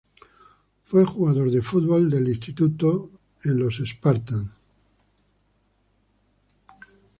Fue jugador de fútbol de instituto en los Spartans.